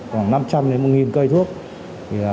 khoảng năm trăm linh một cây thuốc